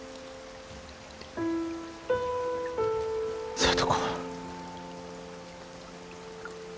聡子。